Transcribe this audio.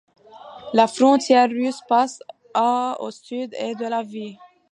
La frontière russe passe à au sud-est de la ville.